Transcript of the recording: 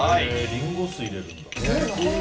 リンゴ酢、入れるんだ。